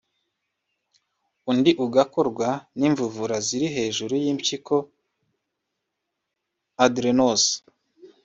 undi ugakorwa n’imvuvura ziri hejuru y’impyiko (adrenals)